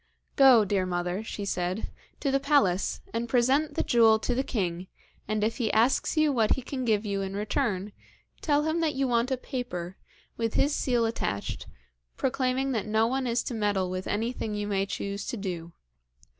'Go, dear mother,' she said, 'to the palace, and present the jewel to the king, and if he asks you what he can give you in return, tell him that you want a paper, with his seal attached, proclaiming that no one is to meddle with anything you may choose to do.